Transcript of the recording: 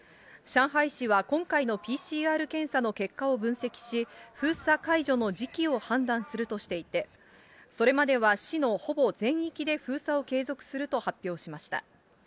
上海市は今回のＰＣＲ検査の結果を分析し、封鎖解除の時期を判断するとしていて、それまでは、市のほぼ全域で封鎖を継続すると発表しました。